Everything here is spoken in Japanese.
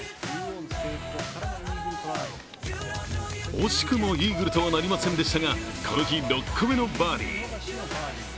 惜しくもイーグルとはなりませんでしたが、この日、６個目のバーディー。